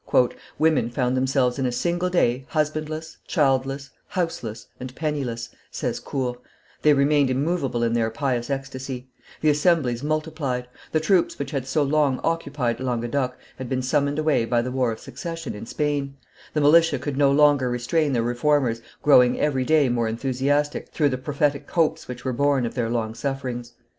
"Women found themselves in a single day husbandless, childless, houseless, and penniless," says Court; they remained immovable in their pious ecstasy; the assemblies multiplied; the troops which had so long occupied Languedoc had been summoned away by the war of succession in Spain; the militia could no longer restrain the Reformers growing every day more enthusiastic through the prophetic hopes which were born of their long sufferings.